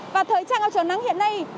và thời trang áo trông nắng hiện nay